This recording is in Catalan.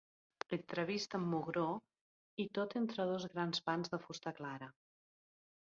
Entrevist amb mugró i tot entre dos grans pans de fusta clara.